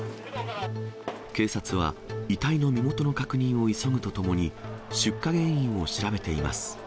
警察は遺体の身元の確認を急ぐとともに、出火原因を調べています。